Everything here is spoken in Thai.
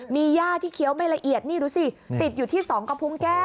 มีย่าที่เคี้ยวไม่ละเอียดนี่ดูสิติดอยู่ที่๒กระพุงแก้ว